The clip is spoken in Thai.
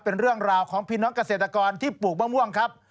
เป็นเรื่องราวของพี่น้องเกษตรกรที่ปลูกมะม่วงครับ